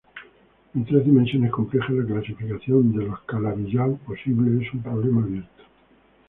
En tres dimensiones complejas, la clasificación de los Calabi-Yau posibles es un problema abierto.